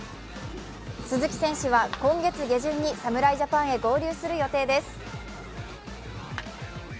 鈴木選手は今月下旬に侍ジャパンへ合流する予定です。